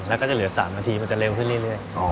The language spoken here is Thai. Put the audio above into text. แล้วก็จะเหลือ๓นาทีมันจะเร็วขึ้นเรื่อย